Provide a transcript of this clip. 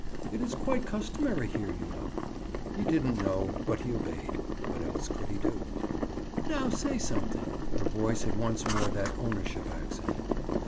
"It is quite customary here, you know." He didn't know, but he obeyed. What else could he do? "Now say something." Her voice had once more that ownership accent.